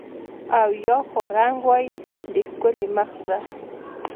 او یا خو رنګ وای د ښکلي مخ زه